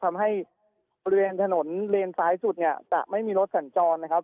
ทำให้บริเวณถนนเลนซ้ายสุดเนี่ยจะไม่มีรถสัญจรนะครับ